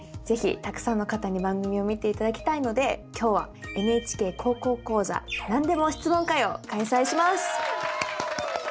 是非たくさんの方に番組を見ていただきたいので今日は「ＮＨＫ高校講座」なんでも質問会を開催します。